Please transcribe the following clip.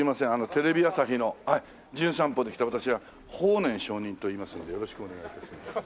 テレビ朝日の『じゅん散歩』で来た私法然上人といいますのでよろしくお願い致します。